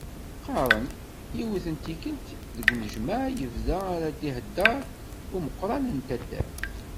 Qqarren, yiwet n tikkelt, deg unejmaɛ, yebda ara d-iheddeṛ umeqqran n taddart.